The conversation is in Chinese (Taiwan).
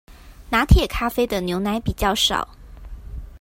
拿鐵咖啡的牛奶比較少